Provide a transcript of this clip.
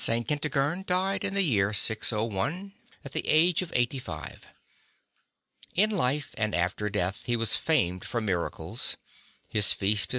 Kentigern died in the year 6oi at the age of eighty five. In life and after death he was famed for miracles. His feast is.